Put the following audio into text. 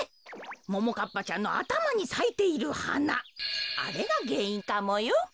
ももかっぱちゃんのあたまにさいているはなあれがげんいんかもよ。